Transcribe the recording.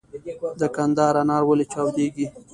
د کندهار انار ولې چاودیږي؟